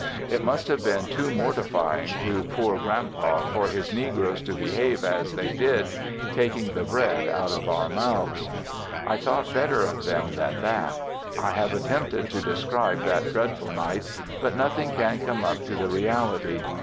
It must have been too mortifying to poor Grand Pa for his negroes to behave as they did, taking the bread out of our mouths. I thought better of them than that. I have attempted to describe that dreadful night, but nothing can come up to the reality.